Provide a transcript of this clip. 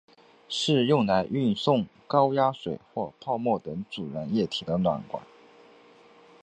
是用来运送高压水或泡沫等阻燃液体的软管。